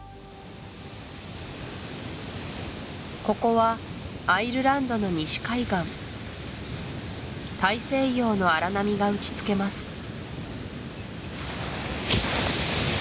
ここはアイルランドの西海岸大西洋の荒波が打ちつけます